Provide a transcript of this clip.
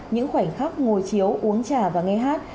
những khoảnh khắc ngồi chiếu uống trà và nghe hát